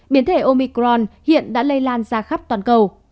biến thể omicron hiện đã lây lan ra khắp toàn cầu